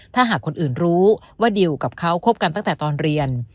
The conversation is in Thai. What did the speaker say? ถ้าหากคนอื่นรู้ว่าดิวกับเขาคบกันตั้งแต่ตอนเรียน